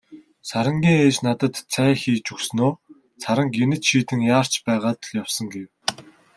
Сарангийн ээж надад цай хийж өгснөө "Саран гэнэт шийдэн яарч байгаад л явсан" гэв.